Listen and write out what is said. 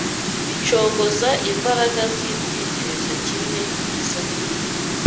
bicogoza imbaraga z’intekerezo kimwe n’iz’umubiri